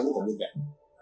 nó vẫn còn nguyên vẹn